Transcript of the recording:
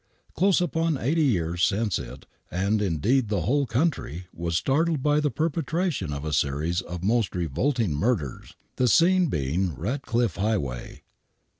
Close upon eighty years since it, and, indeed, the whole country, was startled by the perpetration of a series of most revolt ing murders, the scene being Ratcliffe Highway.